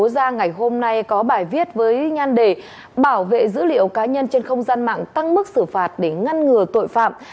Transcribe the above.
ra ngày hôm nay có bài viết với nhan đề bảo vệ dữ liệu cá nhân trên không gian mạng tăng mức xử phạt để ngăn ngừa tội phạm